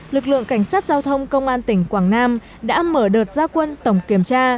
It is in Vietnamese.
lực lượng cảnh sát giao thông công an tỉnh quảng nam đã mở đợt gia quân tổng kiểm tra